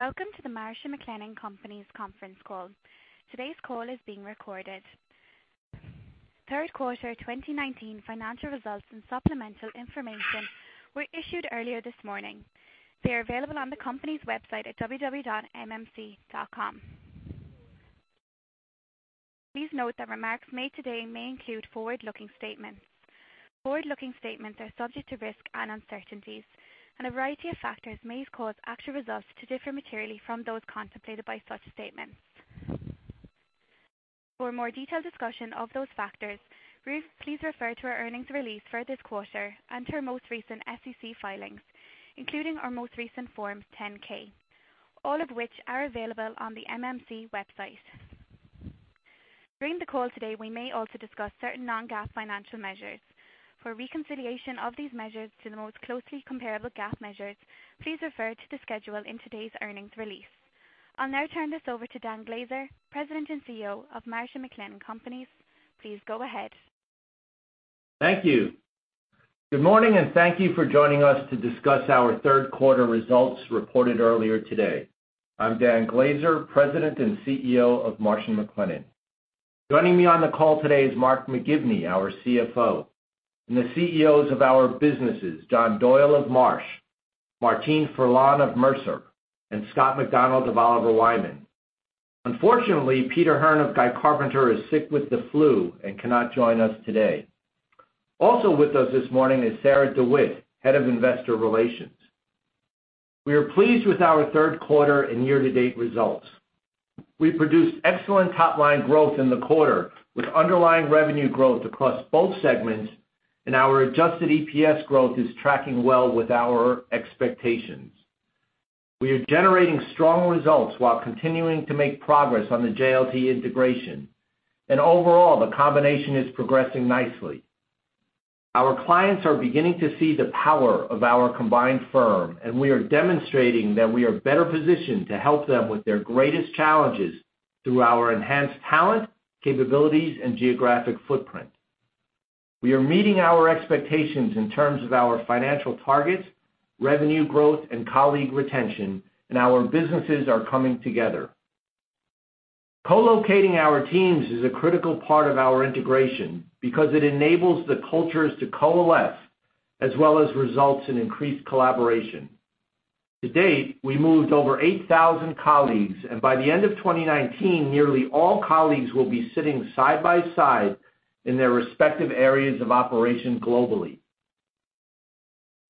Welcome to the Marsh & McLennan Companies conference call. Today's call is being recorded. Third quarter 2019 financial results and supplemental information were issued earlier this morning. They are available on the company's website at www.mmc.com. Please note that remarks made today may include forward-looking statements. Forward-looking statements are subject to risk and uncertainties, and a variety of factors may cause actual results to differ materially from those contemplated by such statements. For a more detailed discussion of those factors, please refer to our earnings release for this quarter and to our most recent SEC filings, including our most recent Form 10-K, all of which are available on the MMC website. During the call today, we may also discuss certain non-GAAP financial measures. For a reconciliation of these measures to the most closely comparable GAAP measures, please refer to the schedule in today's earnings release. I'll now turn this over to Dan Glaser, President and CEO of Marsh & McLennan Companies. Please go ahead. Thank you. Good morning. Thank you for joining us to discuss our third quarter results reported earlier today. I'm Dan Glaser, President and CEO of Marsh & McLennan. Joining me on the call today is Mark McGivney, our CFO, and the CEOs of our businesses, John Doyle of Marsh, Martine Ferland of Mercer, and Scott McDonald of Oliver Wyman. Unfortunately, Peter Hearn of Guy Carpenter is sick with the flu and cannot join us today. Also with us this morning is Sarah DeWitt, Head of Investor Relations. We are pleased with our third quarter and year-to-date results. We produced excellent top-line growth in the quarter with underlying revenue growth across both segments, our adjusted EPS growth is tracking well with our expectations. We are generating strong results while continuing to make progress on the JLT integration, overall, the combination is progressing nicely. Our clients are beginning to see the power of our combined firm, we are demonstrating that we are better positioned to help them with their greatest challenges through our enhanced talent, capabilities, and geographic footprint. We are meeting our expectations in terms of our financial targets, revenue growth, and colleague retention, our businesses are coming together. Co-locating our teams is a critical part of our integration because it enables the cultures to coalesce as well as results in increased collaboration. To date, we moved over 8,000 colleagues, by the end of 2019, nearly all colleagues will be sitting side by side in their respective areas of operation globally.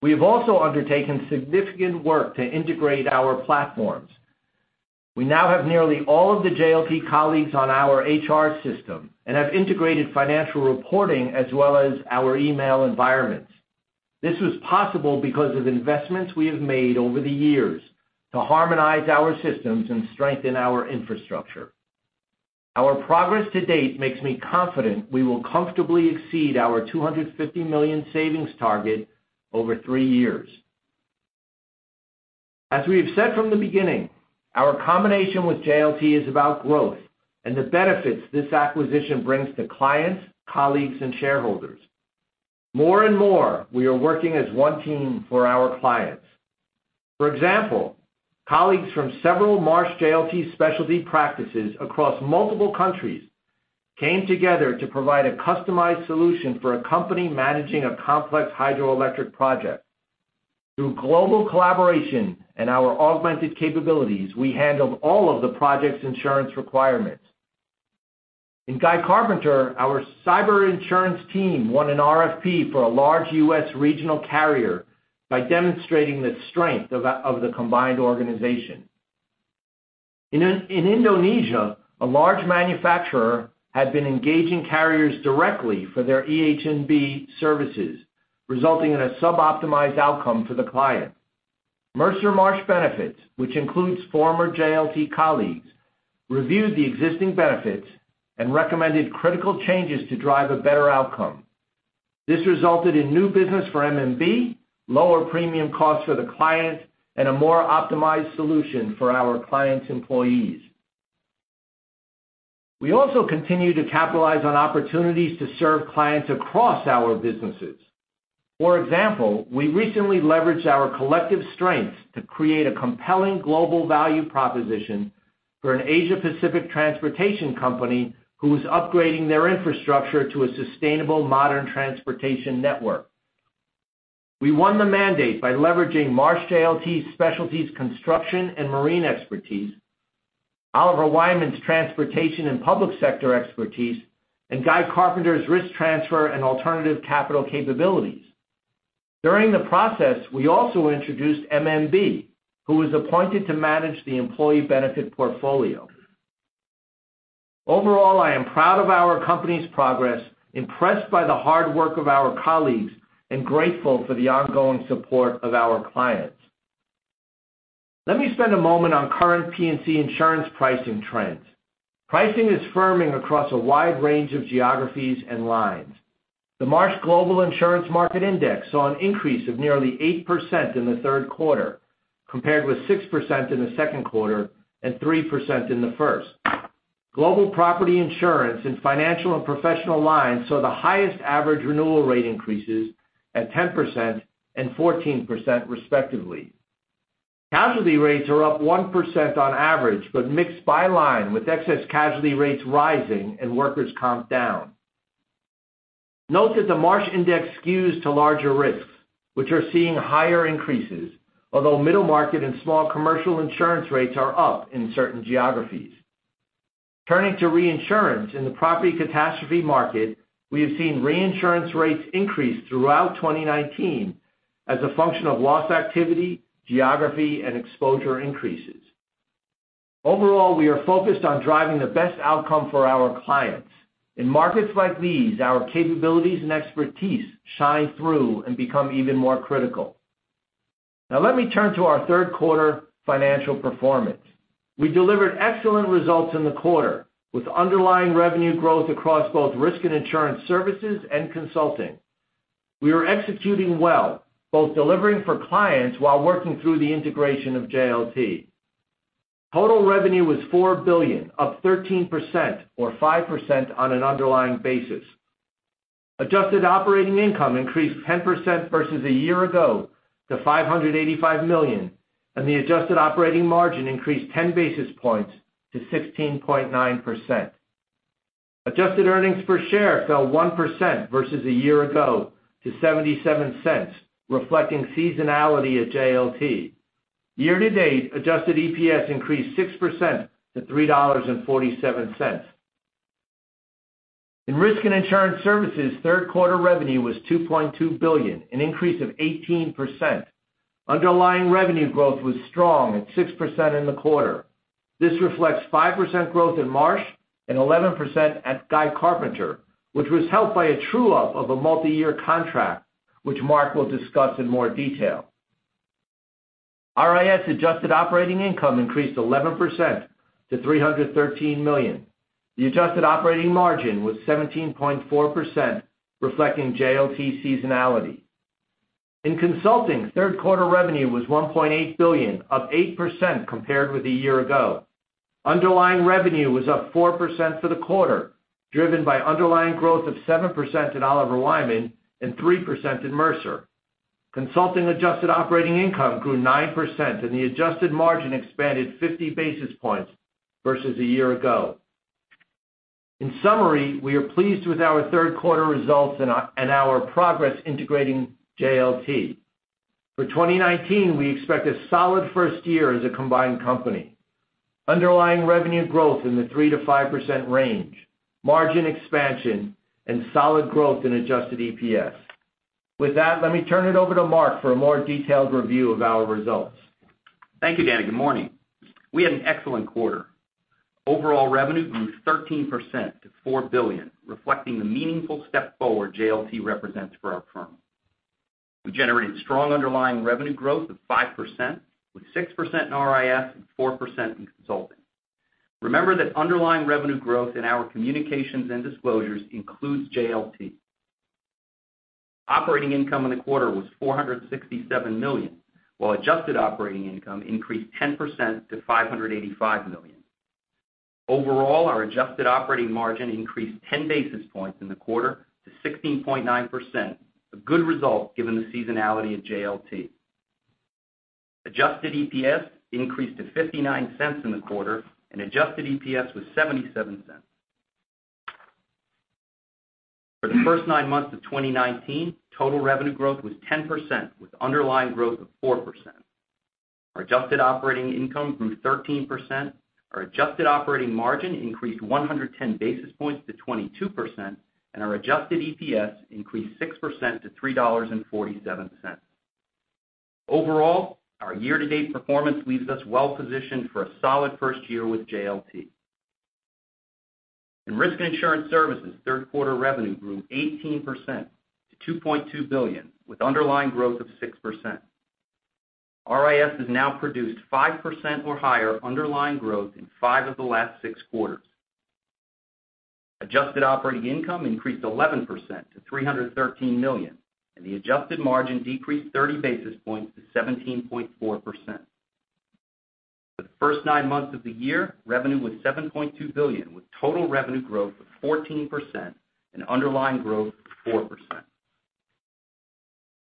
We have also undertaken significant work to integrate our platforms. We now have nearly all of the JLT colleagues on our HR system and have integrated financial reporting as well as our email environments. This was possible because of investments we have made over the years to harmonize our systems and strengthen our infrastructure. Our progress to date makes me confident we will comfortably exceed our $250 million savings target over three years. As we have said from the beginning, our combination with JLT is about growth and the benefits this acquisition brings to clients, colleagues, and shareholders. More and more, we are working as one team for our clients. For example, colleagues from several Marsh-JLT Specialty practices across multiple countries came together to provide a customized solution for a company managing a complex hydroelectric project. Through global collaboration and our augmented capabilities, we handled all of the project's insurance requirements. In Guy Carpenter, our cyber insurance team won an RFP for a large U.S. regional carrier by demonstrating the strength of the combined organization. In Indonesia, a large manufacturer had been engaging carriers directly for their EH&B services, resulting in a sub-optimized outcome for the client. Mercer Marsh Benefits, which includes former JLT colleagues, reviewed the existing benefits and recommended critical changes to drive a better outcome. This resulted in new business for MMB, lower premium costs for the client, and a more optimized solution for our client's employees. We also continue to capitalize on opportunities to serve clients across our businesses. For example, we recently leveraged our collective strengths to create a compelling global value proposition for an Asia Pacific transportation company who is upgrading their infrastructure to a sustainable modern transportation network. We won the mandate by leveraging Marsh-JLT Specialty's construction and marine expertise, Oliver Wyman's transportation and public sector expertise, and Guy Carpenter's risk transfer and alternative capital capabilities. During the process, we also introduced MMB, who was appointed to manage the employee benefit portfolio. Overall, I am proud of our company's progress, impressed by the hard work of our colleagues, and grateful for the ongoing support of our clients. Let me spend a moment on current P&C insurance pricing trends. Pricing is firming across a wide range of geographies and lines. The Marsh Global Insurance Market Index saw an increase of nearly 8% in the third quarter, compared with 6% in the second quarter and 3% in the first. Global property insurance and financial and professional lines saw the highest average renewal rate increases at 10% and 14%, respectively. Casualty rates are up 1% on average, but mixed by line, with excess casualty rates rising and workers' comp down. Note that the Marsh index skews to larger risks, which are seeing higher increases, although middle market and small commercial insurance rates are up in certain geographies. Turning to reinsurance. In the property catastrophe market, we have seen reinsurance rates increase throughout 2019 as a function of loss activity, geography, and exposure increases. Overall, we are focused on driving the best outcome for our clients. In markets like these, our capabilities and expertise shine through and become even more critical. Now let me turn to our third quarter financial performance. We delivered excellent results in the quarter, with underlying revenue growth across both Risk and Insurance Services and Consulting. We are executing well, both delivering for clients while working through the integration of JLT. Total revenue was $4 billion, up 13%, or 5% on an underlying basis. Adjusted operating income increased 10% versus a year ago to $585 million, and the adjusted operating margin increased 10 basis points to 16.9%. Adjusted earnings per share fell 1% versus a year ago to $0.77, reflecting seasonality at JLT. Year to date, adjusted EPS increased 6% to $3.47. In Risk and Insurance Services, third quarter revenue was $2.2 billion, an increase of 18%. Underlying revenue growth was strong at 6% in the quarter. This reflects 5% growth in Marsh and 11% at Guy Carpenter, which was helped by a true-up of a multiyear contract, which Mark will discuss in more detail. RIS adjusted operating income increased 11% to $313 million. The adjusted operating margin was 17.4%, reflecting JLT seasonality. In Consulting, third quarter revenue was $1.8 billion, up 8% compared with a year ago. Underlying revenue was up 4% for the quarter, driven by underlying growth of 7% in Oliver Wyman and 3% in Mercer. Consulting adjusted operating income grew 9%, and the adjusted margin expanded 50 basis points versus a year ago. In summary, we are pleased with our third quarter results and our progress integrating JLT. For 2019, we expect a solid first year as a combined company, underlying revenue growth in the 3%-5% range, margin expansion, and solid growth in adjusted EPS. With that, let me turn it over to Mark for a more detailed review of our results. Thank you, Danny. Good morning. We had an excellent quarter. Overall revenue grew 13% to $4 billion, reflecting the meaningful step forward JLT represents for our firm. We generated strong underlying revenue growth of 5%, with 6% in RIS and 4% in Consulting. Remember that underlying revenue growth in our communications and disclosures includes JLT. Operating income in the quarter was $467 million, while adjusted operating income increased 10% to $585 million. Overall, our adjusted operating margin increased 10 basis points in the quarter to 16.9%, a good result given the seasonality at JLT. Adjusted EPS increased to $0.59 in the quarter, and adjusted EPS was $0.77. For the first nine months of 2019, total revenue growth was 10%, with underlying growth of 4%. Our adjusted operating income grew 13%, our adjusted operating margin increased 110 basis points to 22%, and our adjusted EPS increased 6% to $3.47. Overall, our year-to-date performance leaves us well-positioned for a solid first year with JLT. In Risk and Insurance Services, third quarter revenue grew 18% to $2.2 billion, with underlying growth of 6%. RIS has now produced 5% or higher underlying growth in five of the last six quarters. Adjusted operating income increased 11% to $313 million, and the adjusted margin decreased 30 basis points to 17.4%. For the first nine months of the year, revenue was $7.2 billion, with total revenue growth of 14% and underlying growth of 4%.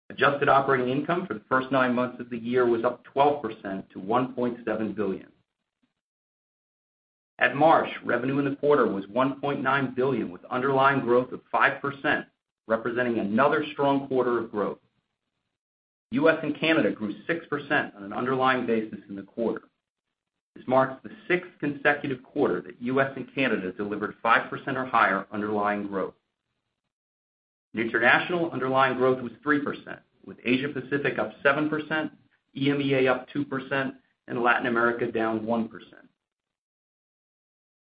Adjusted operating income for the first nine months of the year was up 12% to $1.7 billion. At Marsh, revenue in the quarter was $1.9 billion, with underlying growth of 5%, representing another strong quarter of growth. U.S. and Canada grew 6% on an underlying basis in the quarter. This marks the sixth consecutive quarter that U.S. and Canada delivered 5% or higher underlying growth. International underlying growth was 3%, with Asia-Pacific up 7%, EMEA up 2%, and Latin America down 1%.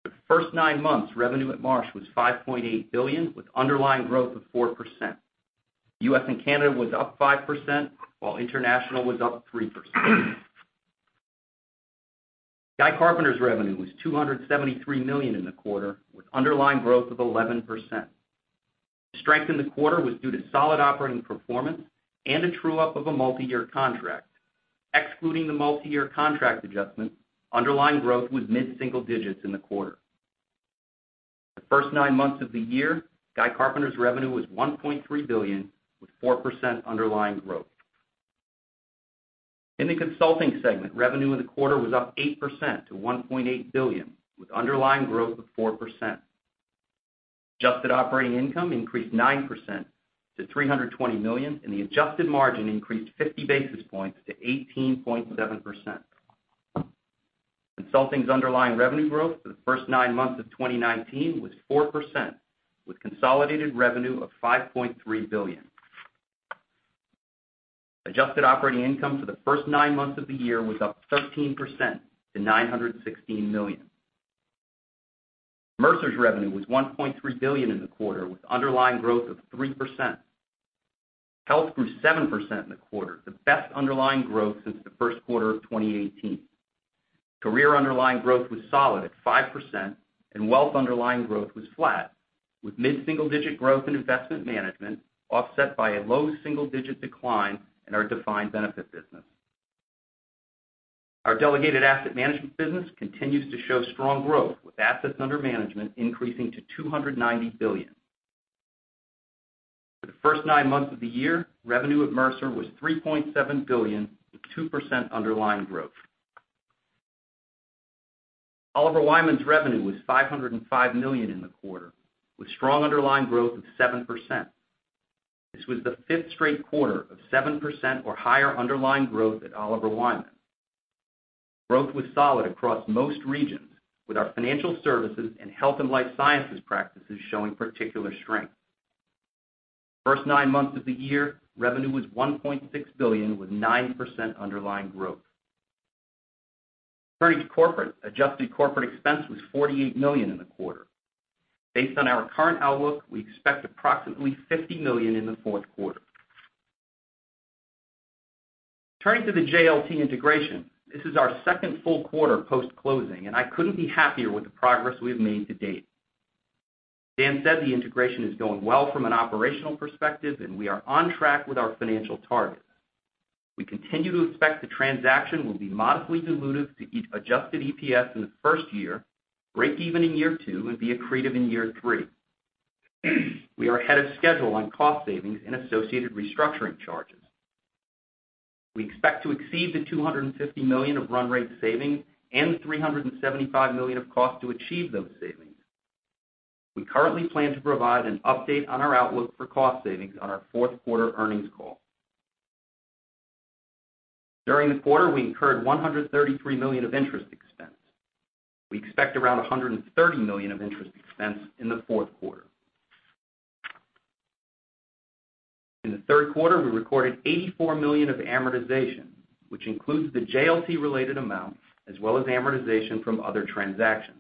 For the first nine months, revenue at Marsh was $5.8 billion, with underlying growth of 4%. U.S. and Canada was up 5%, while international was up 3%. Guy Carpenter's revenue was $273 million in the quarter, with underlying growth of 11%. Strength in the quarter was due to solid operating performance and a true-up of a multi-year contract. Excluding the multi-year contract adjustment, underlying growth was mid-single digits in the quarter. The first nine months of the year, Guy Carpenter's revenue was $1.3 billion with 4% underlying growth. In the consulting segment, revenue in the quarter was up 8% to $1.8 billion, with underlying growth of 4%. Adjusted operating income increased 9% to $320 million, and the adjusted margin increased 50 basis points to 18.7%. Consulting's underlying revenue growth for the first nine months of 2019 was 4%, with consolidated revenue of $5.3 billion. Adjusted operating income for the first nine months of the year was up 13% to $916 million. Mercer's revenue was $1.3 billion in the quarter, with underlying growth of 3%. Health grew 7% in the quarter, the best underlying growth since the first quarter of 2018. Career underlying growth was solid at 5%, and wealth underlying growth was flat, with mid-single-digit growth in investment management offset by a low single-digit decline in our defined benefit business. Our delegated asset management business continues to show strong growth, with assets under management increasing to $290 billion. For the first nine months of the year, revenue at Mercer was $3.7 billion, with 2% underlying growth. Oliver Wyman's revenue was $505 million in the quarter, with strong underlying growth of 7%. This was the fifth straight quarter of 7% or higher underlying growth at Oliver Wyman. Growth was solid across most regions, with our financial services and health and life sciences practices showing particular strength. First nine months of the year, revenue was $1.6 billion, with 9% underlying growth. Turning to corporate, adjusted corporate expense was $48 million in the quarter. Based on our current outlook, we expect approximately $50 million in the fourth quarter. Turning to the JLT integration. This is our second full quarter post-closing, and I couldn't be happier with the progress we've made to date. Dan said the integration is going well from an operational perspective, and we are on track with our financial targets. We continue to expect the transaction will be modestly dilutive to each adjusted EPS in the first year, break even in year two, and be accretive in year three. We are ahead of schedule on cost savings and associated restructuring charges. We expect to exceed the $250 million of run rate savings and the $375 million of cost to achieve those savings. We currently plan to provide an update on our outlook for cost savings on our fourth quarter earnings call. During the quarter, we incurred $133 million of interest expense. We expect around $130 million of interest expense in the fourth quarter. In the third quarter, we recorded $84 million of amortization, which includes the JLT-related amount, as well as amortization from other transactions.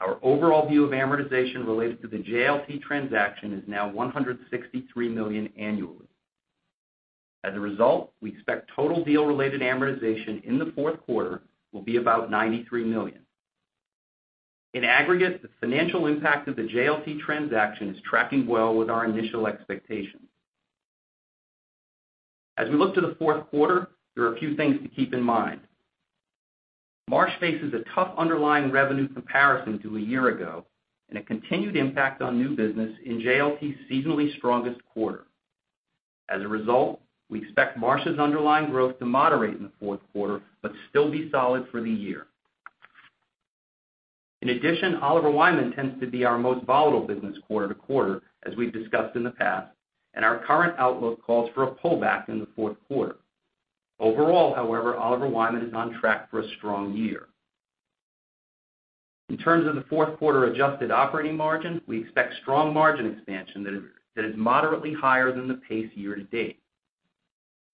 Our overall view of amortization related to the JLT transaction is now $163 million annually. As a result, we expect total deal-related amortization in the fourth quarter will be about $93 million. In aggregate, the financial impact of the JLT transaction is tracking well with our initial expectations. As we look to the fourth quarter, there are a few things to keep in mind. Marsh faces a tough underlying revenue comparison to a year ago and a continued impact on new business in JLT's seasonally strongest quarter. As a result, we expect Marsh's underlying growth to moderate in the fourth quarter, but still be solid for the year. In addition, Oliver Wyman tends to be our most volatile business quarter-to-quarter, as we've discussed in the past, and our current outlook calls for a pullback in the fourth quarter. Overall, however, Oliver Wyman is on track for a strong year. In terms of the fourth quarter adjusted operating margin, we expect strong margin expansion that is moderately higher than the pace year-to-date,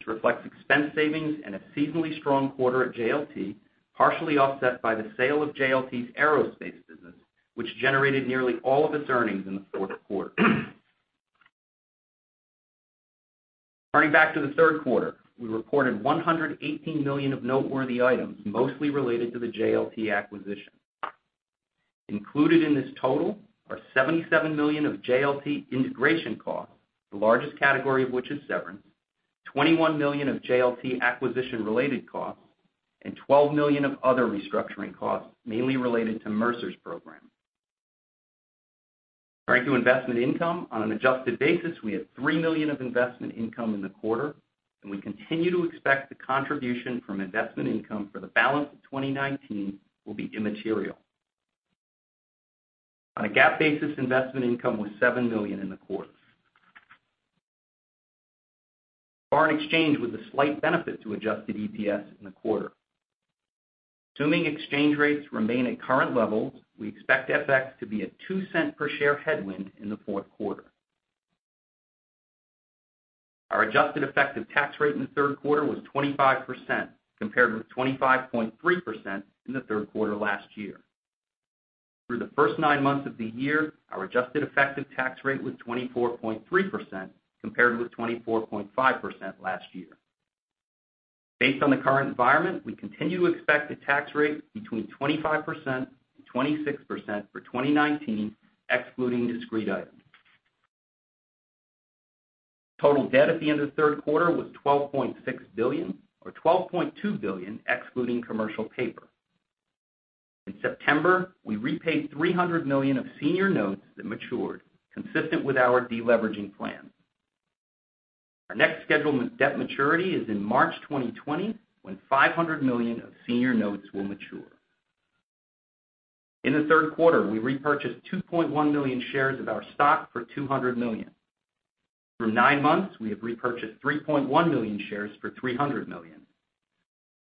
which reflects expense savings and a seasonally strong quarter at JLT, partially offset by the sale of JLT's aerospace business, which generated nearly all of its earnings in the fourth quarter. Turning back to the third quarter, we reported $118 million of noteworthy items, mostly related to the JLT acquisition. Included in this total are $77 million of JLT integration costs, the largest category of which is severance, $21 million of JLT acquisition-related costs, and $12 million of other restructuring costs, mainly related to Mercer's program. Turning to investment income. On an adjusted basis, we had $3 million of investment income in the quarter, and we continue to expect the contribution from investment income for the balance of 2019 will be immaterial. On a GAAP basis, investment income was $7 million in the quarter. Foreign exchange was a slight benefit to adjusted EPS in the quarter. Assuming exchange rates remain at current levels, we expect FX to be a $0.02 per share headwind in the fourth quarter. Our adjusted effective tax rate in the third quarter was 25%, compared with 25.3% in the third quarter last year. Through the first nine months of the year, our adjusted effective tax rate was 24.3%, compared with 24.5% last year. Based on the current environment, we continue to expect a tax rate between 25% and 26% for 2019, excluding discrete items. Total debt at the end of the third quarter was $12.6 billion, or $12.2 billion excluding commercial paper. In September, we repaid $300 million of senior notes that matured, consistent with our de-leveraging plan. Our next scheduled debt maturity is in March 2020, when $500 million of senior notes will mature. In the third quarter, we repurchased 2.1 million shares of our stock for $200 million. For nine months, we have repurchased 3.1 million shares for $300 million.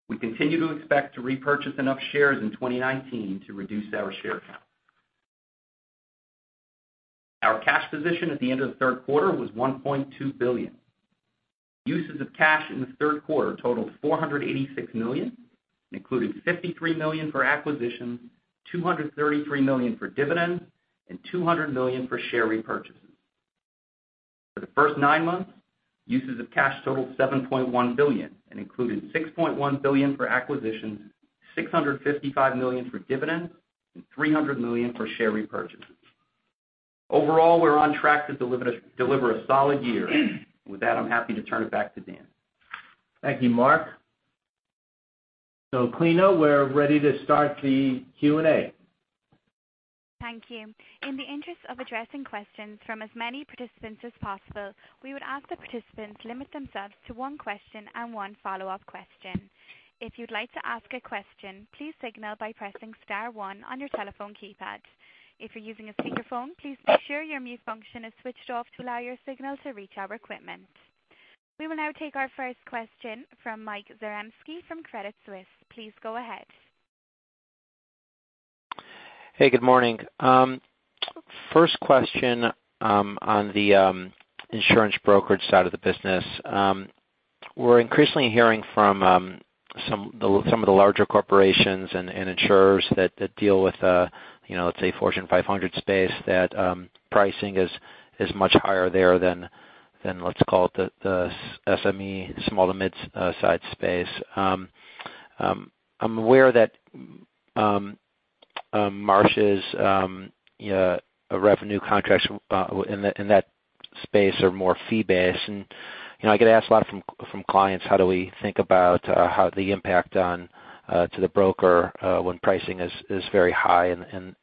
We continue to expect to repurchase enough shares in 2019 to reduce our share count. Our cash position at the end of the third quarter was $1.2 billion. Uses of cash in the third quarter totaled $486 million, including $53 million for acquisitions, $233 million for dividends, and $200 million for share repurchases. For the first nine months, uses of cash totaled $7.1 billion and included $6.1 billion for acquisitions, $655 million for dividends, and $300 million for share repurchases. Overall, we're on track to deliver a solid year. With that, I'm happy to turn it back to Dan. Thank you, Mark. [McLennan]. We're ready to start the Q&A. Thank you. In the interest of addressing questions from as many participants as possible, we would ask the participants limit themselves to one question and one follow-up question. If you'd like to ask a question, please signal by pressing star one on your telephone keypad. If you're using a speakerphone, please make sure your mute function is switched off to allow your signal to reach our equipment. We will now take our first question from Mike Zaremski from Credit Suisse. Please go ahead. Hey, good morning. First question on the insurance brokerage side of the business. We're increasingly hearing from some of the larger corporations and insurers that deal with, let's say, Fortune 500 space, that pricing is much higher there than, let's call it, the SME, small to mid-size space. I'm aware that Marsh's revenue contracts in that space are more fee-based. I get asked a lot from clients, how do we think about how the impact on to the broker when pricing is very high in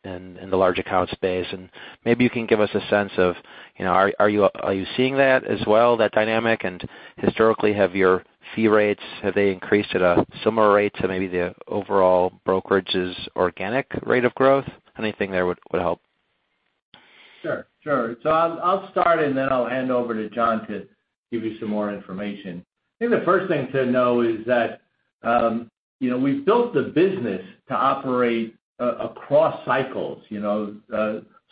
the large account space? Maybe you can give us a sense of are you seeing that as well, that dynamic? Historically, have your fee rates increased at a similar rate to maybe the overall brokerage's organic rate of growth? Anything there would help. Sure. I'll start, and then I'll hand over to John to give you some more information. I think the first thing to know is that we've built the business to operate across cycles.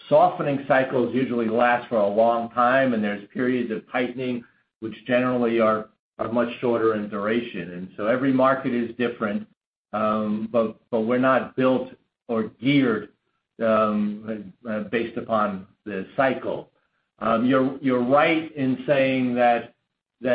Softening cycles usually last for a long time, and there's periods of tightening, which generally are much shorter in duration. Every market is different, but we're not built or geared based upon the cycle. You're right in saying that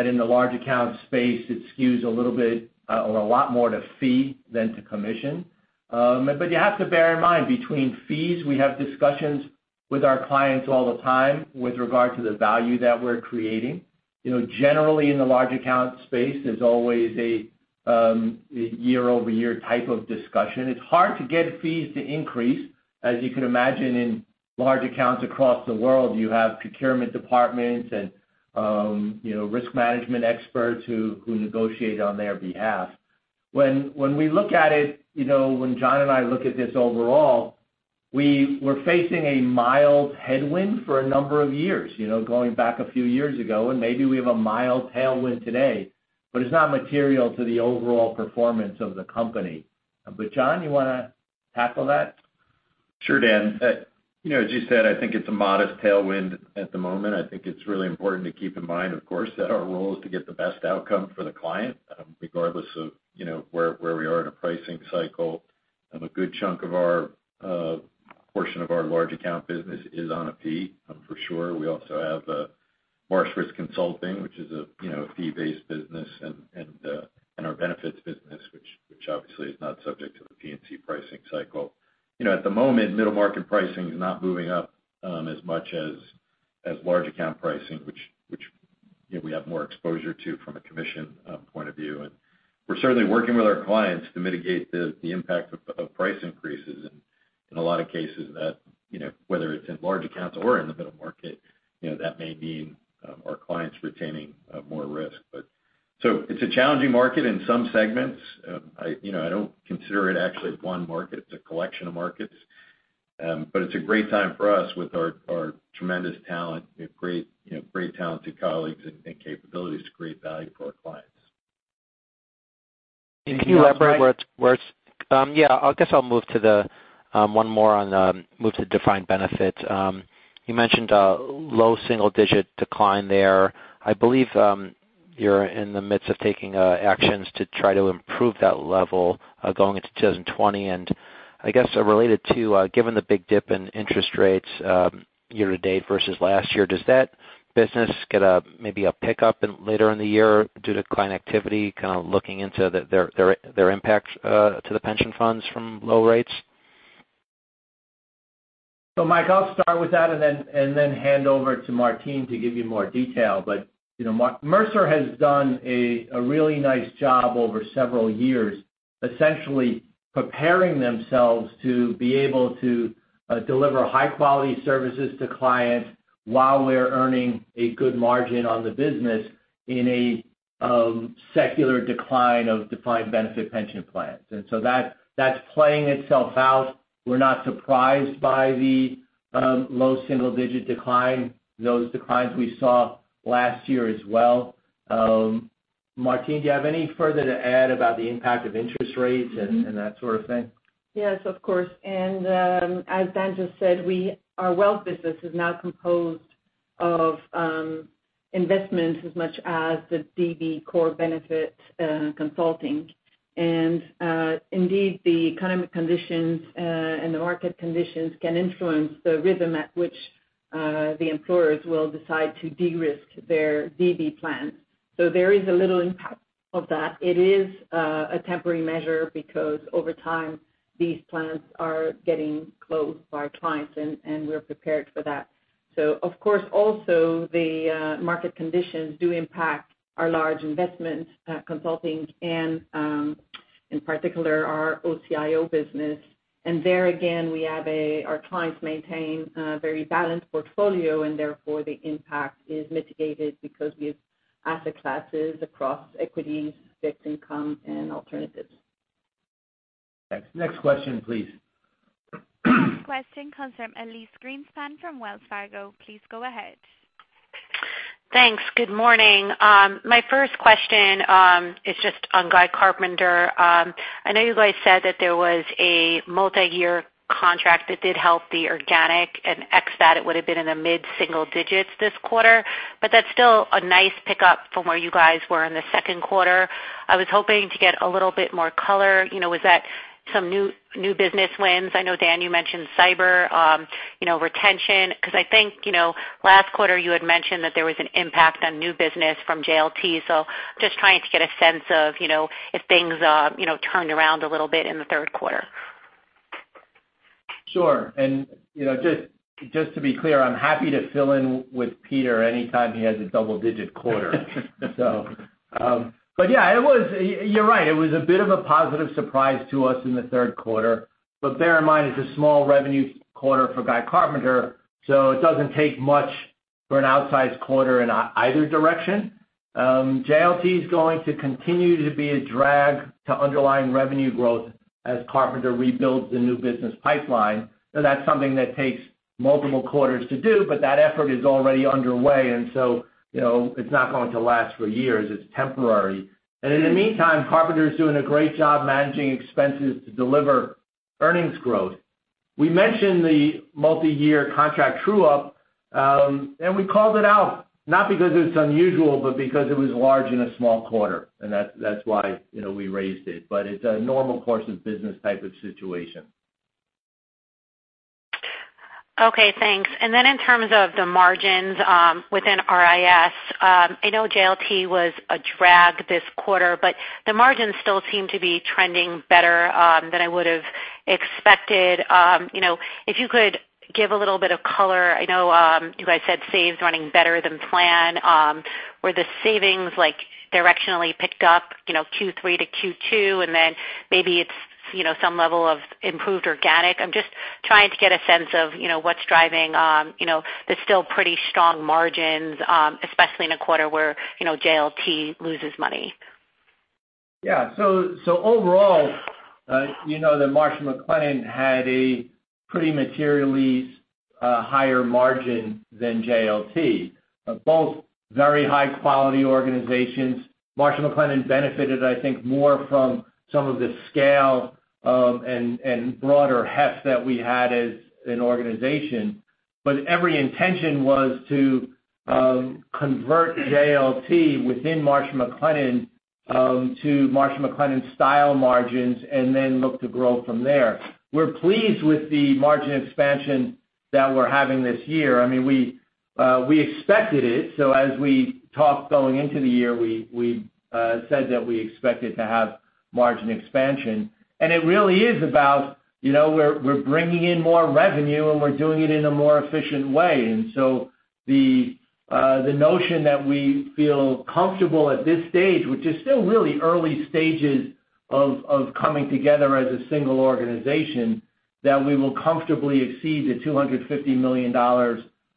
in the large account space, it skews a little bit or a lot more to fee than to commission. You have to bear in mind between fees, we have discussions with our clients all the time with regard to the value that we're creating. Generally, in the large account space, there's always a year-over-year type of discussion. It's hard to get fees to increase. As you can imagine in large accounts across the world, you have procurement departments and risk management experts who negotiate on their behalf. When John and I look at this overall, we were facing a mild headwind for a number of years, going back a few years ago, and maybe we have a mild tailwind today, but it's not material to the overall performance of the company. John, you want to tackle that? Sure, Dan. As you said, I think it's a modest tailwind at the moment. I think it's really important to keep in mind, of course, that our role is to get the best outcome for the client, regardless of where we are in a pricing cycle. A good chunk of our portion of our large account business is on a fee, for sure. We also have Marsh Risk Consulting, which is a fee-based business, and our benefits business, which obviously is not subject to the P&C pricing cycle. At the moment, middle market pricing is not moving up as much as large account pricing, which we have more exposure to from a commission point of view. We're certainly working with our clients to mitigate the impact of price increases. In a lot of cases, whether it's in large accounts or in the middle market, that may mean our clients retaining more risk. It's a challenging market in some segments. I don't consider it actually one market. It's a collection of markets. It's a great time for us with our tremendous talent. We have great talented colleagues and capabilities to create value for our clients. Can you elaborate where it's. I guess I'll move to one more on defined benefits. You mentioned a low single-digit decline there. I believe you're in the midst of taking actions to try to improve that level going into 2020. I guess related to, given the big dip in interest rates year-to-date versus last year, does that business get maybe a pickup later in the year due to client activity kind of looking into their impacts to the pension funds from low rates? Mike, I'll start with that and then hand over to Martine to give you more detail. Mercer has done a really nice job over several years, essentially preparing themselves to be able to deliver high-quality services to clients while we're earning a good margin on the business in a secular decline of defined benefit pension plans. That's playing itself out. We're not surprised by the low single-digit decline, those declines we saw last year as well. Martine, do you have any further to add about the impact of interest rates and that sort of thing? Yes, of course. As Dan just said, our wealth business is now composed of investments as much as the DB core benefit consulting. Indeed, the economic conditions, and the market conditions can influence the rhythm at which the employers will decide to de-risk their DB plans. There is a little impact of that. It is a temporary measure because over time, these plans are getting closed by our clients, and we're prepared for that. Of course, also the market conditions do impact our large investments, consulting, and in particular, our OCIO business. There again, our clients maintain a very balanced portfolio and therefore the impact is mitigated because we have asset classes across equities, fixed income, and alternatives. Thanks. Next question, please. Next question comes from Elyse Greenspan from Wells Fargo. Please go ahead. Thanks. Good morning. My first question is just on Guy Carpenter. I know you guys said that there was a multi-year contract that did help the organic. Ex that it would have been in the mid-single digits this quarter. That's still a nice pickup from where you guys were in the second quarter. I was hoping to get a little bit more color. Was that some new business wins? I know, Dan, you mentioned cyber retention. I think, last quarter you had mentioned that there was an impact on new business from JLT. Just trying to get a sense of if things turned around a little bit in the third quarter. Sure. Just to be clear, I'm happy to fill in with Peter anytime he has a double-digit quarter. Yeah, you're right, it was a bit of a positive surprise to us in the third quarter. Bear in mind, it's a small revenue quarter for Guy Carpenter, so it doesn't take much for an outsized quarter in either direction. JLT is going to continue to be a drag to underlying revenue growth as Carpenter rebuilds the new business pipeline. That's something that takes multiple quarters to do. That effort is already underway. It's not going to last for years. It's temporary. In the meantime, Carpenter's doing a great job managing expenses to deliver earnings growth. We mentioned the multi-year contract true-up. We called it out not because it's unusual, because it was large in a small quarter. That's why we raised it. It's a normal course of business type of situation. Okay, thanks. In terms of the margins within RIS, I know JLT was a drag this quarter, but the margins still seem to be trending better than I would have expected. If you could give a little bit of color. I know you guys said savings running better than planned. Were the savings directionally picked up Q3 to Q2, maybe it's some level of improved organic? I'm just trying to get a sense of what's driving the still pretty strong margins, especially in a quarter where JLT loses money. Yeah. Overall, you know that Marsh & McLennan had a pretty materially higher margin than JLT. Both very high-quality organizations. Marsh & McLennan benefited, I think, more from some of the scale, and broader heft that we had as an organization. Every intention was to convert JLT within Marsh & McLennan to Marsh & McLennan style margins and look to grow from there. We're pleased with the margin expansion that we're having this year. We expected it, as we talked going into the year, we said that we expected to have margin expansion. It really is about we're bringing in more revenue, and we're doing it in a more efficient way. The notion that we feel comfortable at this stage, which is still really early stages of coming together as a single organization, that we will comfortably exceed the $250 million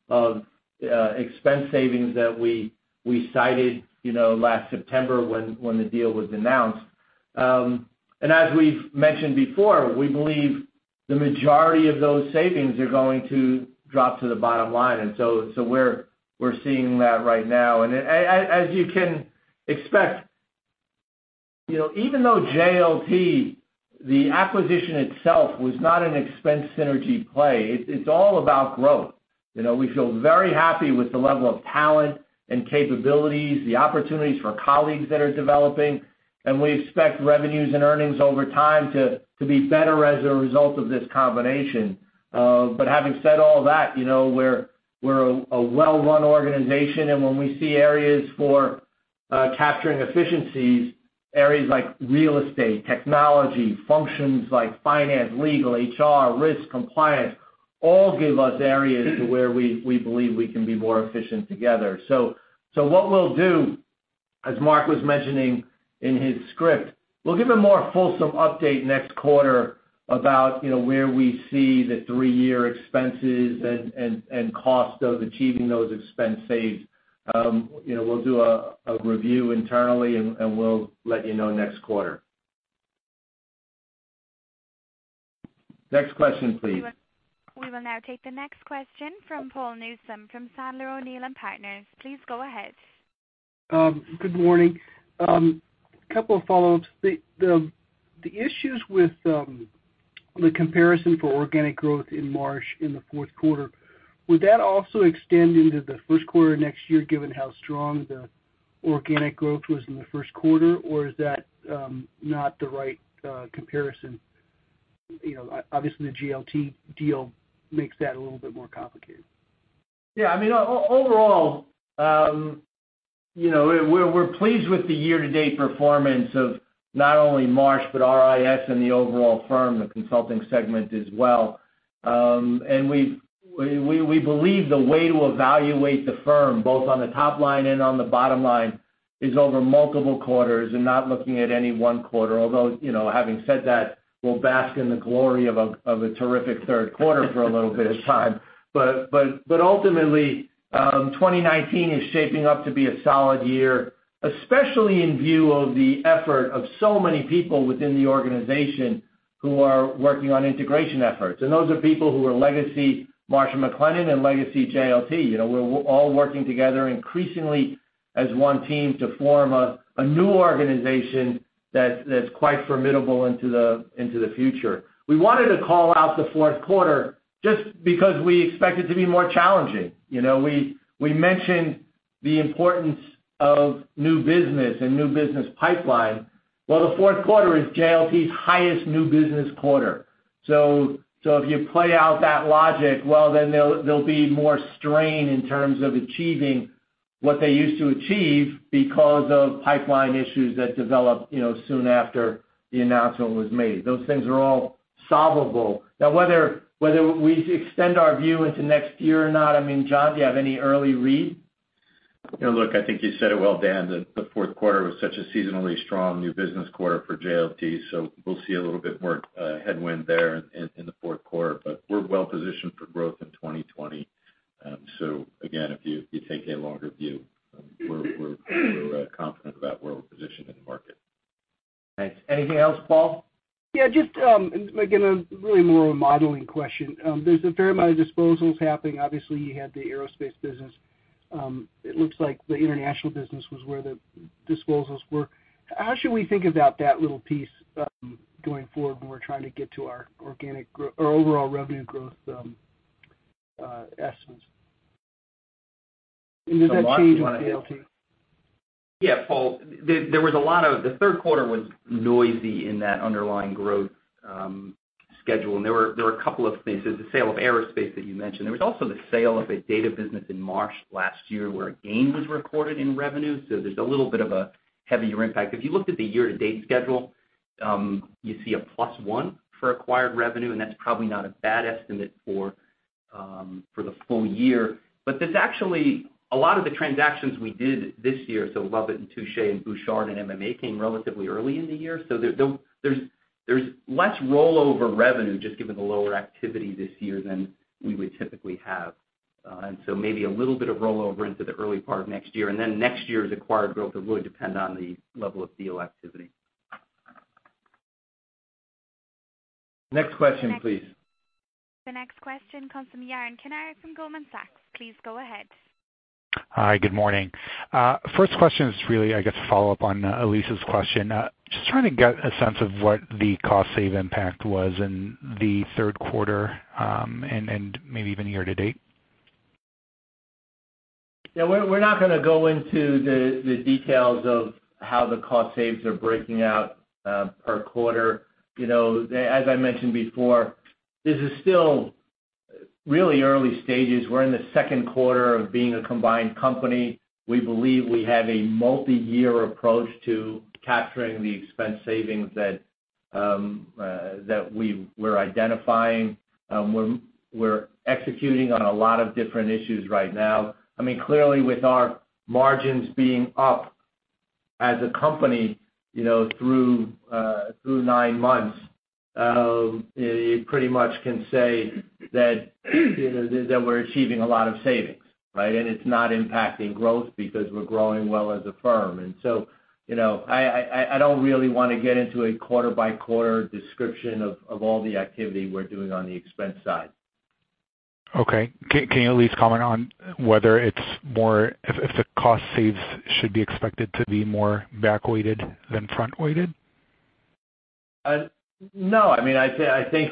of expense savings that we cited last September when the deal was announced. As we've mentioned before, we believe the majority of those savings are going to drop to the bottom line, we're seeing that right now. As you can expect, even though JLT, the acquisition itself was not an expense synergy play, it's all about growth. We feel very happy with the level of talent and capabilities, the opportunities for colleagues that are developing. We expect revenues and earnings over time to be better as a result of this combination. Having said all that, we're a well-run organization, when we see areas for capturing efficiencies, areas like real estate, technology, functions like finance, legal, HR, risk, compliance, all give us areas to where we believe we can be more efficient together. What we'll do, as Mark McGivney was mentioning in his script, we'll give a more fulsome update next quarter about where we see the three-year expenses and cost of achieving those expense saves. We'll do a review internally, and we'll let you know next quarter. Next question, please. We will now take the next question from Paul Newsome from Sandler O'Neill + Partners. Please go ahead. Good morning. Couple of follow-ups. The issues with the comparison for organic growth in Marsh in the fourth quarter, would that also extend into the first quarter next year, given how strong the organic growth was in the first quarter, or is that not the right comparison? Obviously, the JLT deal makes that a little bit more complicated. Yeah. Overall, we're pleased with the year-to-date performance of not only Marsh but RIS and the overall firm, the consulting segment as well. We believe the way to evaluate the firm, both on the top line and on the bottom line, is over multiple quarters and not looking at any one quarter. Although, having said that, we'll bask in the glory of a terrific third quarter for a little bit of time. Ultimately, 2019 is shaping up to be a solid year, especially in view of the effort of so many people within the organization who are working on integration efforts. Those are people who are legacy Marsh & McLennan and legacy JLT. We're all working together increasingly as one team to form a new organization that's quite formidable into the future. We wanted to call out the fourth quarter just because we expect it to be more challenging. We mentioned the importance of new business and new business pipeline. Well, the fourth quarter is JLT's highest new business quarter. If you play out that logic, well, then there'll be more strain in terms of achieving what they used to achieve because of pipeline issues that developed soon after the announcement was made. Those things are all solvable. Now, whether we extend our view into next year or not, John, do you have any early read? I think you said it well, Dan, that the fourth quarter was such a seasonally strong new business quarter for JLT, we'll see a little bit more headwind there in the fourth quarter. We're well positioned for growth in 2020. Again, if you take a longer view, we're confident about where we're positioned in the market. Thanks. Anything else, Paul? Just, again, really more of a modeling question. There's a fair amount of disposals happening. Obviously, you had the aerospace business. It looks like the international business was where the disposals were. How should we think about that little piece going forward when we're trying to get to our overall revenue growth estimates? Does that change with JLT? Mark, you want to hit- Paul. The third quarter was noisy in that underlying growth schedule, there were a couple of things. There's the sale of aerospace that you mentioned. There was also the sale of a data business in Marsh last year where a gain was recorded in revenue. There's a little bit of a heavier impact. If you looked at the year-to-date schedule, you see a plus one for acquired revenue, that's probably not a bad estimate for the full year. There's actually a lot of the transactions we did this year, Lovitt & Touche and Bouchard and MMA came relatively early in the year. There's less rollover revenue just given the lower activity this year than we would typically have. Maybe a little bit of rollover into the early part of next year, and then next year's acquired growth will really depend on the level of deal activity. Next question, please. The next question comes from Yaron Kinar from Goldman Sachs. Please go ahead. Hi. Good morning. First question is really, I guess, a follow-up on Elyse's question. Just trying to get a sense of what the cost save impact was in the third quarter, and maybe even year-to-date. We're not going to go into the details of how the cost saves are breaking out per quarter. As I mentioned before, this is still really early stages. We're in the second quarter of being a combined company. We believe we have a multi-year approach to capturing the expense savings that we're identifying. We're executing on a lot of different issues right now. Clearly, with our margins being up as a company through nine months, you pretty much can say that we're achieving a lot of savings, right? It's not impacting growth because we're growing well as a firm. I don't really want to get into a quarter-by-quarter description of all the activity we're doing on the expense side. Okay. Can you at least comment on whether if the cost saves should be expected to be more back-weighted than front-weighted? No. I think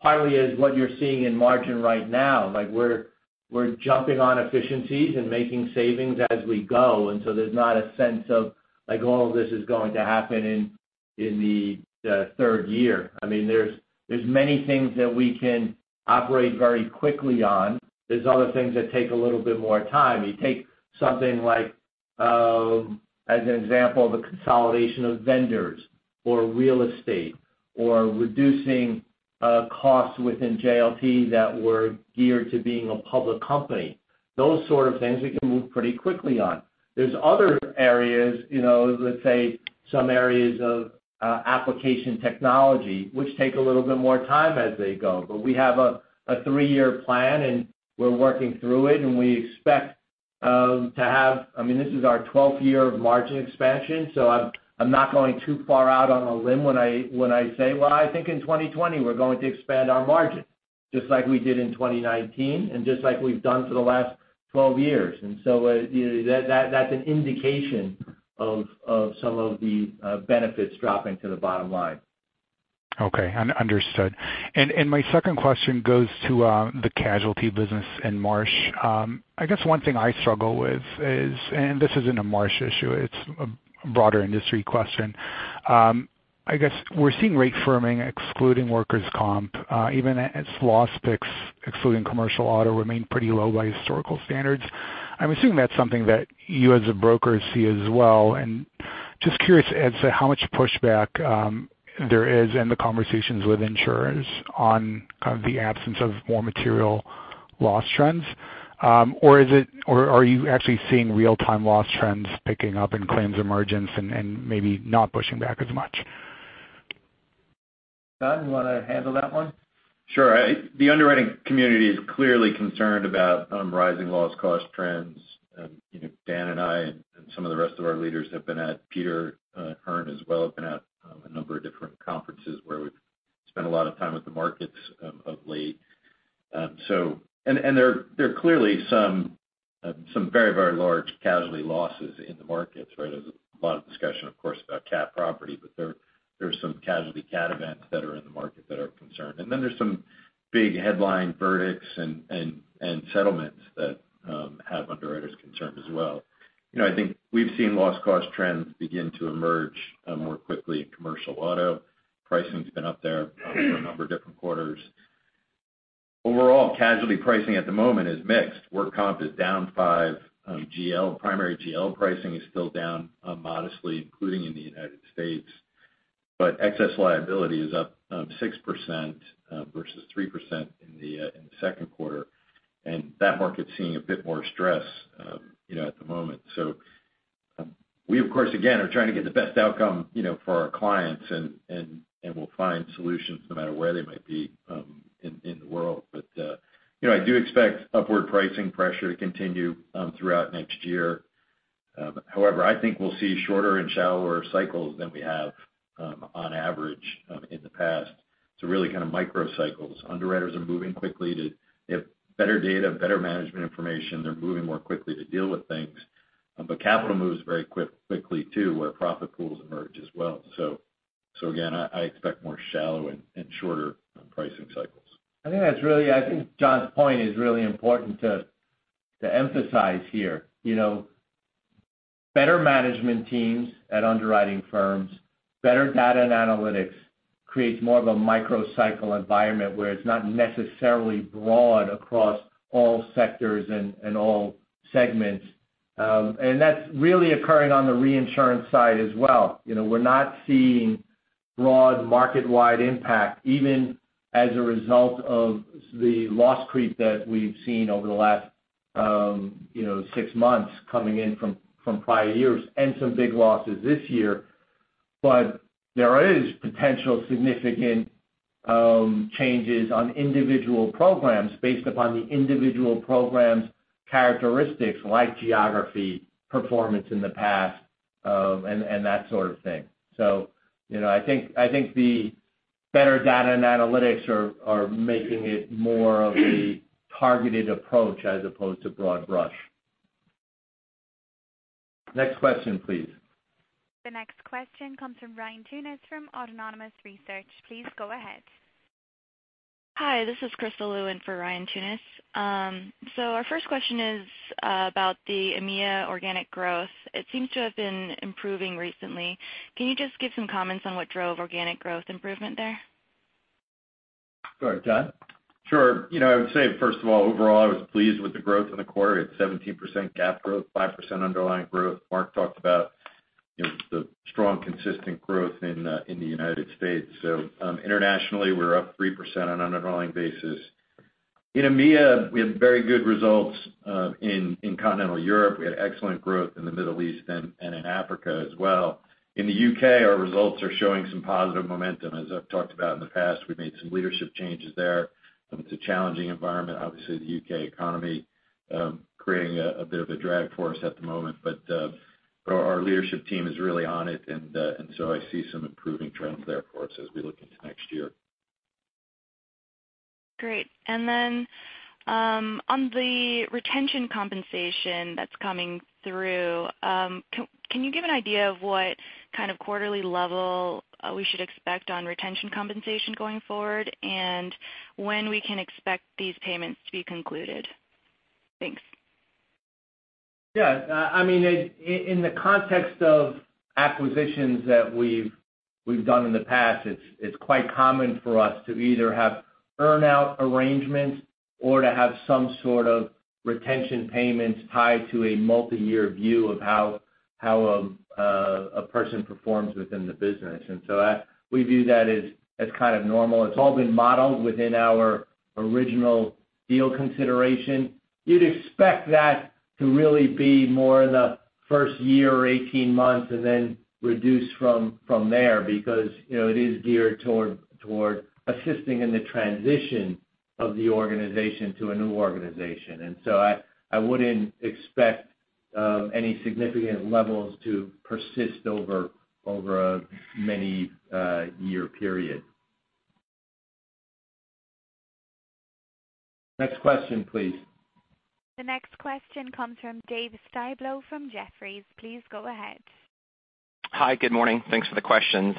partly is what you're seeing in margin right now. We're jumping on efficiencies and making savings as we go, and so there's not a sense of all of this is going to happen In the third year. There's many things that we can operate very quickly on. There's other things that take a little bit more time. You take something like, as an example, the consolidation of vendors or real estate or reducing costs within JLT that were geared to being a public company. Those sort of things we can move pretty quickly on. There's other areas, let's say some areas of application technology, which take a little bit more time as they go. We have a three-year plan, and we're working through it, this is our 12th year of margin expansion, so I'm not going too far out on a limb when I say, well, I think in 2020 we're going to expand our margin, just like we did in 2019 and just like we've done for the last 12 years. So that's an indication of some of the benefits dropping to the bottom line. Okay. Understood. My second question goes to the casualty business in Marsh. I guess one thing I struggle with is, and this isn't a Marsh issue, it's a broader industry question. I guess we're seeing rate firming excluding workers' comp, even as loss picks, excluding commercial auto, remain pretty low by historical standards. I'm assuming that's something that you as a broker see as well. Just curious as to how much pushback there is in the conversations with insurers on kind of the absence of more material loss trends. Are you actually seeing real-time loss trends picking up in claims emergence and maybe not pushing back as much? John, you want to handle that one? Sure. The underwriting community is clearly concerned about rising loss cost trends. Dan and I, and some of the rest of our leaders have been at Peter Hearn as well, have been at a number of different conferences where we've spent a lot of time with the markets of late. There are clearly some very large casualty losses in the markets. There's a lot of discussion, of course, about cat property, but there's some casualty cat events that are in the market that are a concern. Then there's some big headline verdicts and settlements that have underwriters concerned as well. I think we've seen loss cost trends begin to emerge more quickly in commercial auto. Pricing's been up there for a number of different quarters. Overall, casualty pricing at the moment is mixed. Work comp is down 5 GL. Primary GL pricing is still down modestly, including in the U.S. Excess liability is up 6% versus 3% in the second quarter. That market's seeing a bit more stress at the moment. We, of course, again, are trying to get the best outcome for our clients and we'll find solutions no matter where they might be in the world. I do expect upward pricing pressure to continue throughout next year. However, I think we'll see shorter and shallower cycles than we have on average in the past. Really kind of micro cycles. Underwriters are moving quickly. They have better data, better management information. They're moving more quickly to deal with things. Capital moves very quickly too, where profit pools emerge as well. Again, I expect more shallow and shorter pricing cycles. I think John's point is really important to emphasize here. Better management teams at underwriting firms, better data and analytics creates more of a microcycle environment where it's not necessarily broad across all sectors and all segments. That's really occurring on the reinsurance side as well. We're not seeing broad market-wide impact, even as a result of the loss creep that we've seen over the last six months coming in from prior years and some big losses this year. There is potential significant changes on individual programs based upon the individual program's characteristics like geography, performance in the past, and that sort of thing. I think the better data and analytics are making it more of a targeted approach as opposed to broad brush. Next question, please. The next question comes from Ryan Tunis from Autonomous Research. Please go ahead. Hi, this is Crystal Lu in for Ryan Tunis. Our first question is about the EMEA organic growth. It seems to have been improving recently. Can you just give some comments on what drove organic growth improvement there? Go ahead, John. Sure. I would say, first of all, overall, I was pleased with the growth in the quarter. It's 17% GAAP growth, 5% underlying growth. Mark talked about the strong, consistent growth in the United States. Internationally, we're up 3% on an underlying basis. In EMEA, we had very good results in Continental Europe. We had excellent growth in the Middle East and in Africa as well. In the U.K., our results are showing some positive momentum. As I've talked about in the past, we've made some leadership changes there. It's a challenging environment. Obviously, the U.K. economy creating a bit of a drag force at the moment. Our leadership team is really on it. I see some improving trends there for us as we look into next year. Great. Then on the retention compensation that is coming through, can you give an idea of what kind of quarterly level we should expect on retention compensation going forward? And when we can expect these payments to be concluded? Thanks. Yeah. In the context of acquisitions that we have done in the past, it is quite common for us to either have earn-out arrangements or to have some sort of retention payments tied to a multi-year view of how a person performs within the business. So we view that as normal. It has all been modeled within our original deal consideration. You would expect that to really be more in the first year or 18 months, and then reduce from there, because it is geared toward assisting in the transition of the organization to a new organization. So I would not expect any significant levels to persist over a many-year period. Next question, please. The next question comes from David Styblo from Jefferies. Please go ahead. Hi. Good morning. Thanks for the questions.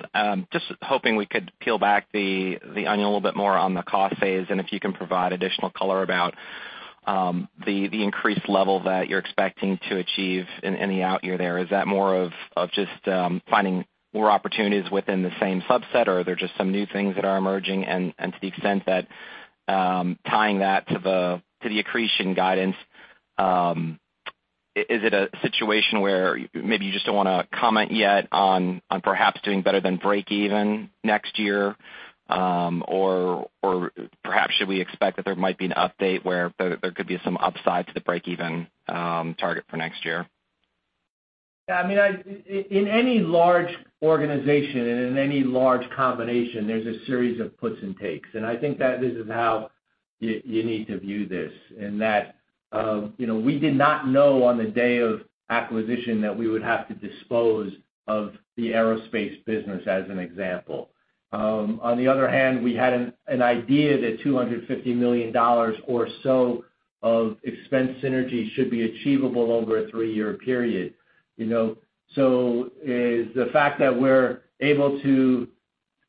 Just hoping we could peel back the onion a little bit more on the cost phase, and if you can provide additional color about the increased level that you are expecting to achieve in the out-year there. Is that more of just finding more opportunities within the same subset, or are there just some new things that are emerging? To the extent that tying that to the accretion guidance, is it a situation where maybe you just do not want to comment yet on perhaps doing better than break even next year? Or perhaps should we expect that there might be an update where there could be some upside to the break-even target for next year? Yeah. In any large organization and in any large combination, there's a series of puts and takes. I think that this is how you need to view this, in that we did not know on the day of acquisition that we would have to dispose of the aerospace business, as an example. On the other hand, we had an idea that $250 million or so of expense synergy should be achievable over a three-year period. It is the fact that we're able to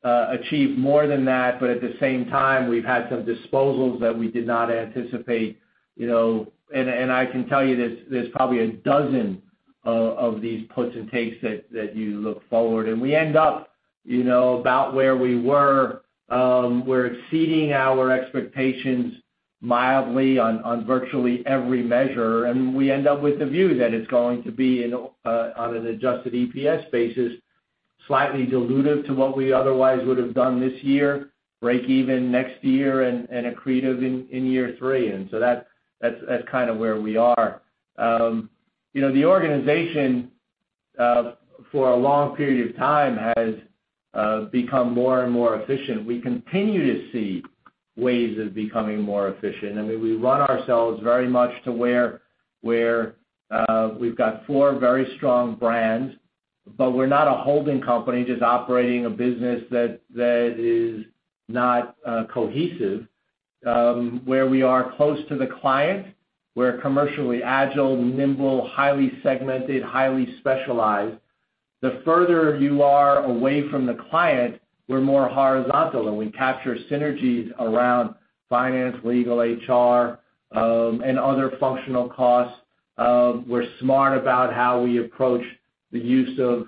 achieve more than that, but at the same time, we've had some disposals that we did not anticipate. I can tell you there's probably a dozen of these puts and takes that you look forward. We end up about where we were. We're exceeding our expectations mildly on virtually every measure. We end up with the view that it's going to be, on an adjusted EPS basis, slightly dilutive to what we otherwise would have done this year, break even next year, and accretive in year three. That's kind of where we are. The organization, for a long period of time, has become more and more efficient. We continue to see ways of becoming more efficient. We run ourselves very much to where we've got four very strong brands, but we're not a holding company just operating a business that is not cohesive. Where we are close to the client, we're commercially agile, nimble, highly segmented, highly specialized. The further you are away from the client, we're more horizontal, and we capture synergies around finance, legal, HR, and other functional costs. We're smart about how we approach the use of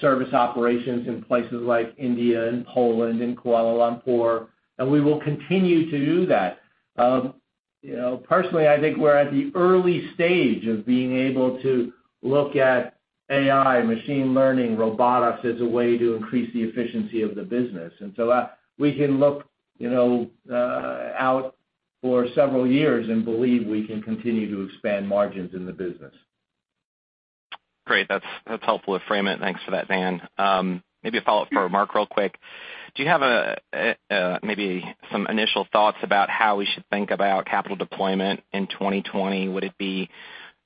service operations in places like India and Poland and Kuala Lumpur, we will continue to do that. Personally, I think we're at the early stage of being able to look at AI, machine learning, robotics as a way to increase the efficiency of the business. We can look out for several years and believe we can continue to expand margins in the business. Great. That's helpful to frame it. Thanks for that, Dan. Maybe a follow-up for Mark real quick. Do you have maybe some initial thoughts about how we should think about capital deployment in 2020? Would it be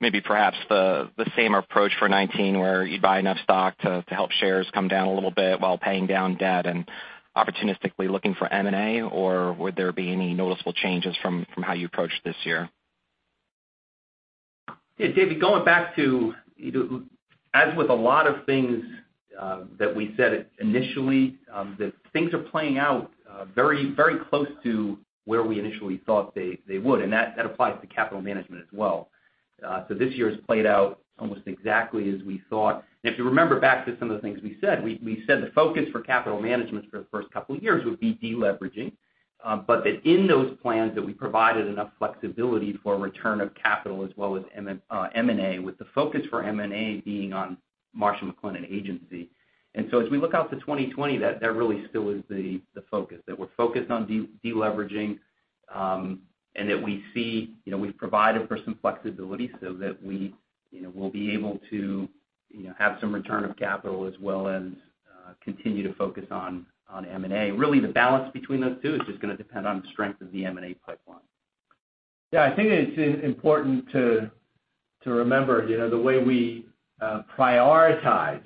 maybe perhaps the same approach for 2019, where you'd buy enough stock to help shares come down a little bit while paying down debt and opportunistically looking for M&A, or would there be any noticeable changes from how you approached this year? Yeah, David, going back to, as with a lot of things that we said initially, that things are playing out very close to where we initially thought they would, and that applies to capital management as well. This year has played out almost exactly as we thought. If you remember back to some of the things we said, we said the focus for capital management for the first couple of years would be de-leveraging. That in those plans, that we provided enough flexibility for return of capital as well as M&A, with the focus for M&A being on Marsh McLennan Agency. As we look out to 2020, that really still is the focus. We're focused on de-leveraging, and that we see we've provided for some flexibility so that we'll be able to have some return of capital as well as continue to focus on M&A. The balance between those two is just going to depend on the strength of the M&A pipeline. I think it's important to remember the way we prioritize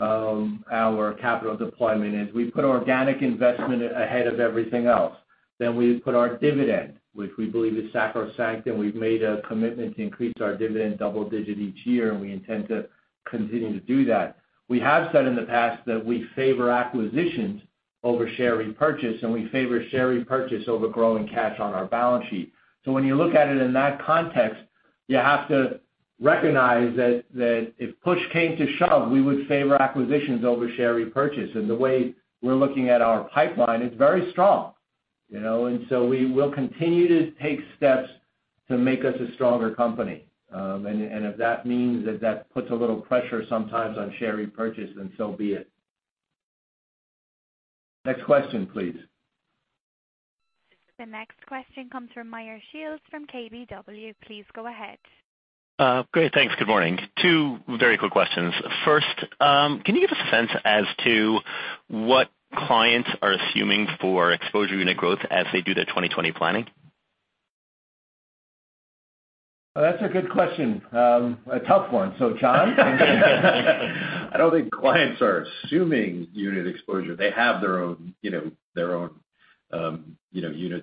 our capital deployment is we put organic investment ahead of everything else. We put our dividend, which we believe is sacrosanct, and we've made a commitment to increase our dividend double digit each year, and we intend to continue to do that. We have said in the past that we favor acquisitions over share repurchase, and we favor share repurchase over growing cash on our balance sheet. When you look at it in that context, you have to recognize that if push came to shove, we would favor acquisitions over share repurchase. The way we're looking at our pipeline, it's very strong. We will continue to take steps to make us a stronger company. If that means that puts a little pressure sometimes on share repurchase, then so be it. Next question, please. The next question comes from Meyer Shields from KBW. Please go ahead. Great. Thanks. Good morning. Two very quick questions. First, can you give us a sense as to what clients are assuming for exposure unit growth as they do their 2020 planning? That's a good question. A tough one. John? I don't think clients are assuming unit exposure. They have their own units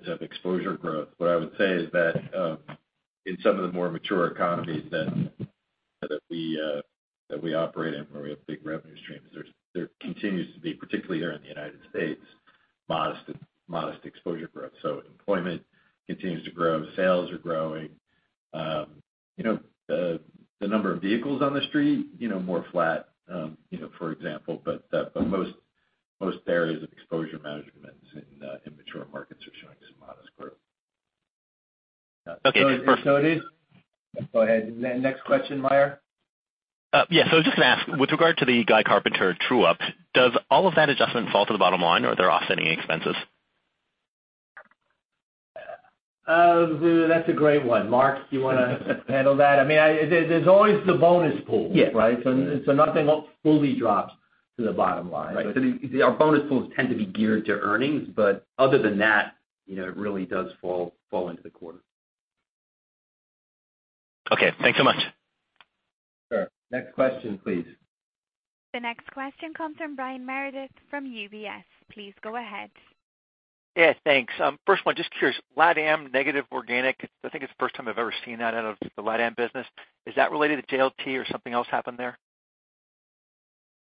of exposure growth. What I would say is that in some of the more mature economies that we operate in, where we have big revenue streams, there continues to be, particularly there in the United States, modest exposure growth. Employment continues to grow, sales are growing. The number of vehicles on the street, more flat, for example, most areas of exposure management in mature markets are showing some modest growth. Okay. Perfect. Go ahead. Next question, Meyer. Yeah. I was just going to ask, with regard to the Guy Carpenter true-up, does all of that adjustment fall to the bottom line, or are there offsetting expenses? That's a great one. Mark, do you want to handle that? There's always the bonus pool, right? Yes. Nothing fully drops to the bottom line. Right. Our bonus pools tend to be geared to earnings, but other than that, it really does fall into the quarter. Okay. Thanks so much. Sure. Next question, please. The next question comes from Brian Meredith from UBS. Please go ahead. Thanks. First one, just curious, LatAm, negative organic. I think it's the first time I've ever seen that out of the LatAm business. Is that related to JLT or something else happened there?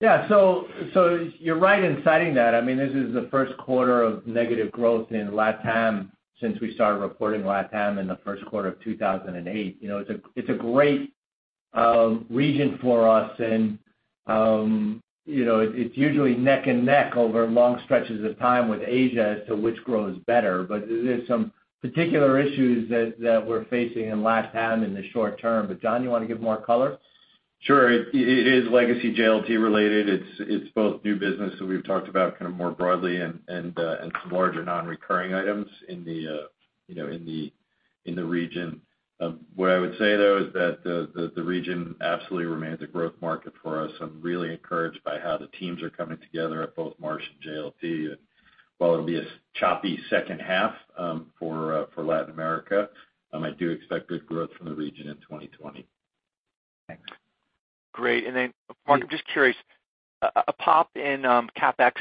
You're right in citing that. This is the first quarter of negative growth in LatAm since we started reporting LatAm in the first quarter of 2008. It's a great region for us, and it's usually neck and neck over long stretches of time with Asia as to which grows better. There's some particular issues that we're facing in LatAm in the short term. John, you want to give more color? Sure. It is legacy JLT related. It's both new business that we've talked about kind of more broadly and some larger non-recurring items in the region. What I would say, though, is that the region absolutely remains a growth market for us. I'm really encouraged by how the teams are coming together at both Marsh and JLT. While it'll be a choppy second half for Latin America, I do expect good growth from the region in 2020. Thanks. Great. Mark, I'm just curious, a pop in CapEx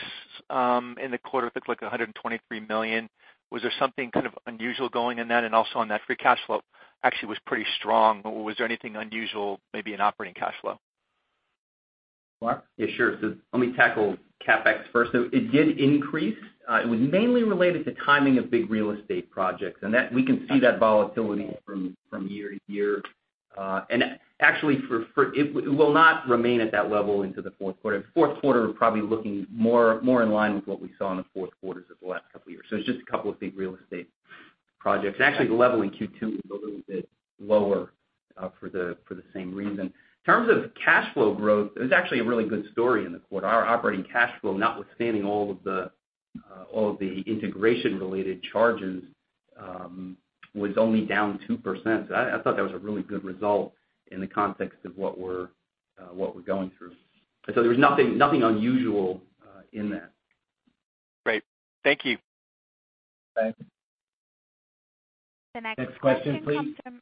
in the quarter, looked like $123 million. Was there something kind of unusual going in that? Also on that free cash flow actually was pretty strong. Was there anything unusual maybe in operating cash flow? Mark? Yeah, sure. Let me tackle CapEx first. It did increase. It was mainly related to timing of big real estate projects, and we can see that volatility from year to year. Actually, it will not remain at that level into the fourth quarter. Fourth quarter, we're probably looking more in line with what we saw in the fourth quarters of the last couple of years. It's just a couple of big real estate projects. Actually, the level in Q2 was a little bit lower for the same reason. In terms of cash flow growth, it was actually a really good story in the quarter. Our operating cash flow, notwithstanding all of the integration-related charges, was only down 2%. I thought that was a really good result in the context of what we're going through. There was nothing unusual in that. Great. Thank you. Thanks. Next question, please. The next question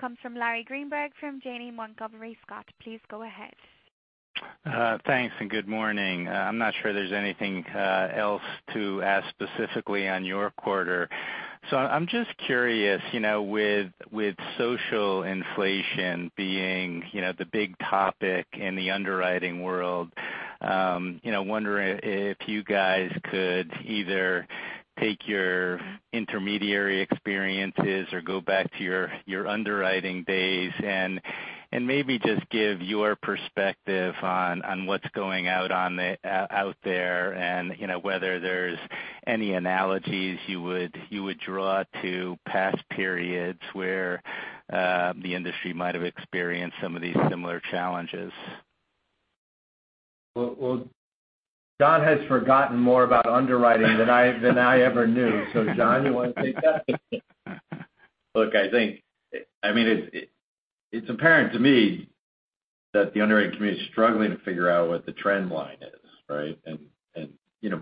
comes from Larry Greenberg from Janney Montgomery Scott. Please go ahead. Thanks, and good morning. I'm not sure there's anything else to ask specifically on your quarter. I'm just curious, with social inflation being the big topic in the underwriting world, wondering if you guys could either take your intermediary experiences or go back to your underwriting days and maybe just give your perspective on what's going out there, and whether there's any analogies you would draw to past periods where the industry might have experienced some of these similar challenges. Well, John has forgotten more about underwriting than I ever knew. John, you want to take that? Look, it's apparent to me that the underwriting community is struggling to figure out what the trend line is, right?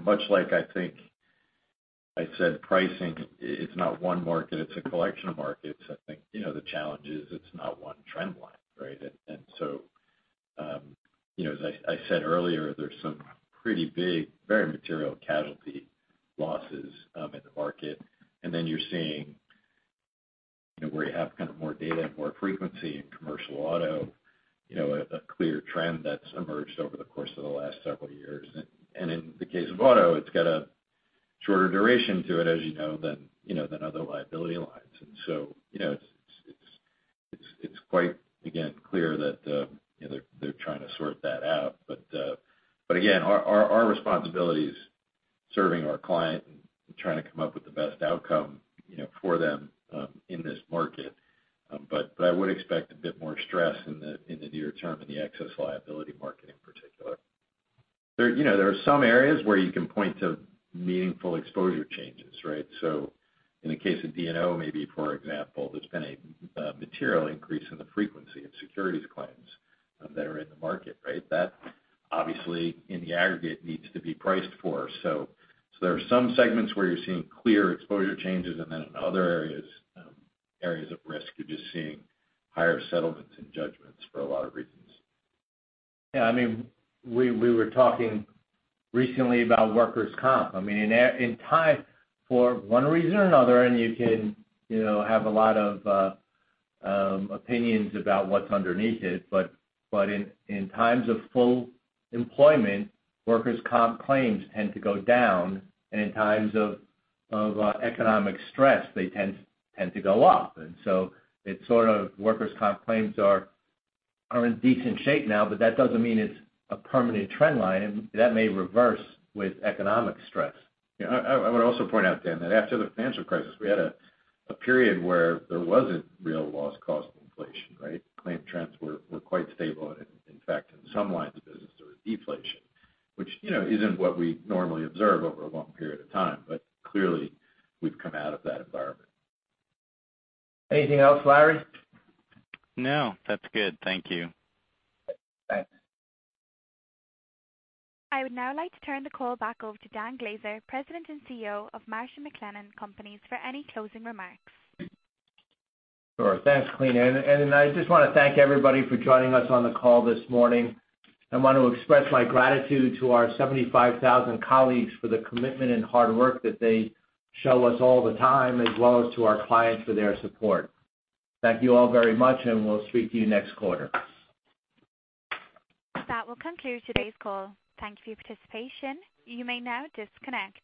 Much like I think I said pricing, it's not one market, it's a collection of markets. I think the challenge is it's not one trend line, right? As I said earlier, there's some pretty big, very material casualty losses in the market. Then you're seeing where you have more data and more frequency in commercial auto, a clear trend that's emerged over the course of the last several years. In the case of auto, it's got a shorter duration to it, as you know, than other liability lines. It's quite, again, clear that they're trying to sort that out. Again, our responsibility is serving our client and trying to come up with the best outcome for them in this market. I would expect a bit more stress in the near term in the excess liability market in particular. There are some areas where you can point to meaningful exposure changes, right? In the case of D&O, maybe, for example, there's been a material increase in the frequency of securities claims that are in the market, right? That obviously, in the aggregate, needs to be priced for. There are some segments where you're seeing clear exposure changes, in other areas of risk, you're just seeing higher settlements and judgments for a lot of reasons. Yeah. We were talking recently about workers' comp. In time, for one reason or another, and you can have a lot of opinions about what's underneath it, in times of full employment, workers' comp claims tend to go down, and in times of economic stress, they tend to go up. Workers' comp claims are in decent shape now, that doesn't mean it's a permanent trend line, and that may reverse with economic stress. Yeah. I would also point out, Dan, that after the financial crisis, we had a period where there wasn't real loss cost inflation, right? Claim trends were quite stable. In fact, in some lines of business, there was deflation, which isn't what we normally observe over a long period of time. Clearly, we've come out of that environment. Anything else, Larry? No, that's good. Thank you. Thanks. I would now like to turn the call back over to Dan Glaser, President and CEO of Marsh & McLennan Companies, for any closing remarks. Sure. Thanks, Calina. I just want to thank everybody for joining us on the call this morning. I want to express my gratitude to our 75,000 colleagues for the commitment and hard work that they show us all the time, as well as to our clients for their support. Thank you all very much, and we'll speak to you next quarter. That will conclude today's call. Thank you for your participation. You may now disconnect.